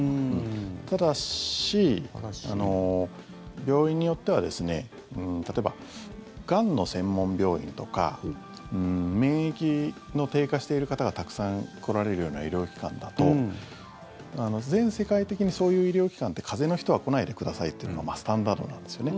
ただし、病院によってはですね例えば、がんの専門病院とか免疫の低下している方がたくさん来られるような医療機関だと全世界的にそういう医療機関って風邪の人は来ないでくださいっていうのがスタンダードなんですよね。